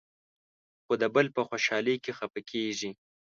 خو د بل په خوشالۍ کې خفه کېږي.